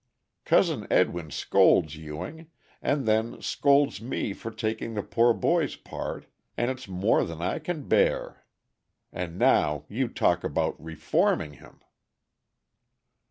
Cousin Edwin scolds Ewing, and then scolds me for taking the poor boy's part, and it's more than I can bear. And now you talk about 'reforming' him!"